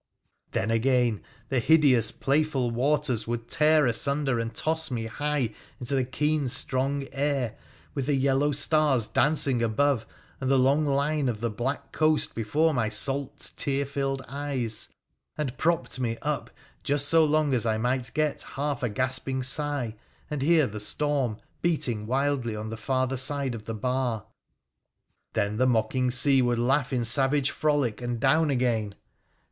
Then again, the hideous, playful waters would tear asunder and toss me high into the keen strong air, with the yellow stars dancing above, and the long line of the black coast before my salt tear filled eyes, and propped me up just so long as I might get half a gasping sigh, and hear the storm beating wildly on the farther side of the bar ; then the mocking sea would laugh in savage frolic, and down again.